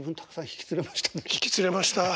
引き連れました。